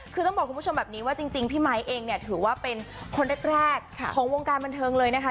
คือต้องบอกคุณผู้ชมแบบนี้ว่าจริงพี่ไมค์เองเนี่ยถือว่าเป็นคนแรกของวงการบันเทิงเลยนะคะ